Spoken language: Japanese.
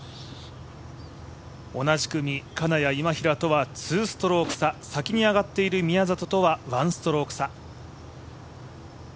同じ組、金谷、今平とは２ストローク差、先にあがっている宮里とは１ストローク差。